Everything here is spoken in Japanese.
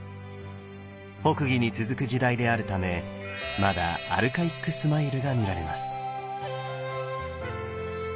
北魏に続く時代であるためまだアルカイックスマイルが見られます。